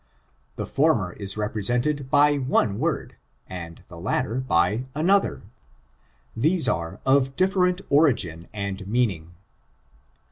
The firmer is represented by one word, and the latter by another. These are of di&reni origiQ end meaning.